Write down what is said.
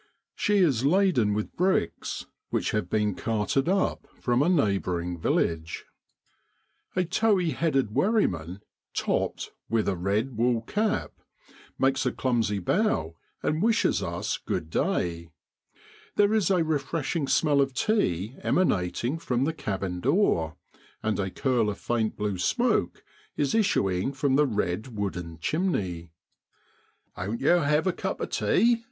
She is laden with bricks, which have been carted up from a neighbouring village. A NORFOLK WHERRY. APRIL IN BROADLAND. 43 A towy headed wherryman, * topped' with, a red wool cap, makes a clumsy bow and wishes us good day. There is a refreshing smell of tea emanating from the cabin door, and a curl of faint blue smoke is issuing from the red wooden chimney. 'Oan't yow hev a cup of tea?'